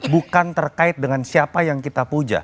bukan terkait dengan siapa yang kita puja